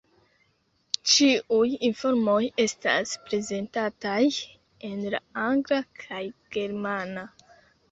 Ĉiuj informoj estas prezentataj en la angla kaj germana.